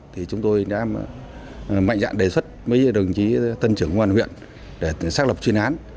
thì chúng tôi đã mạnh dạng đề xuất với đồng chí tân trưởng ngoan huyện để xác lập chuyên án